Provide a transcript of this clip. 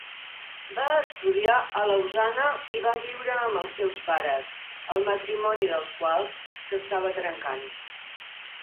Va estudiar a Lausana i va viure amb els seus pares, el matrimoni dels quals s'estava trencant.